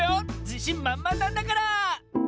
じしんまんまんなんだから！